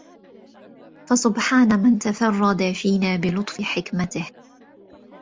فَسُبْحَانَ مَنْ تَفَرَّدَ فِينَا بِلُطْفِ حِكْمَتِهِ